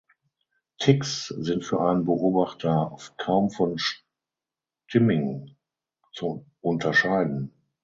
Tics sind für einen Beobachter oft kaum von Stimming zu unterscheiden.